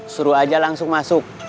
suruh aja langsung masuk